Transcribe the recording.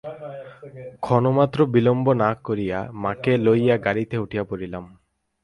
ক্ষণমাত্র বিলম্ব না করিয়া মাকে লইয়া গাড়িতে উঠিয়া পড়িলাম।